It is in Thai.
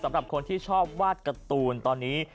สำหรับคนที่ชอบวาดการ์ตูนตอนนี้